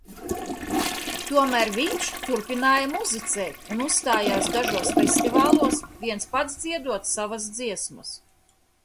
Tomēr viņš turpināja muzicēt un uzstājās dažos festivālos, viens pats dziedot savas dziesmas.